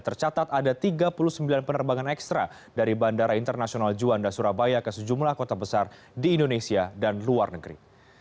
tercatat ada tiga puluh sembilan penerbangan ekstra dari bandara internasional juanda surabaya ke sejumlah kota besar di indonesia dan luar negeri